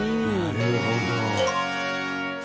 なるほど。